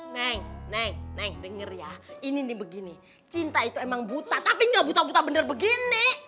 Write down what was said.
neng neng neng dengar ya ini nih begini cinta itu emang buta tapi nggak buta buta bener begini